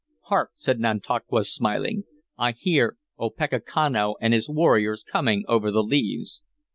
"Hark!" said Nantauquas, smiling. "I hear Opechancanough and his warriors coming over the leaves."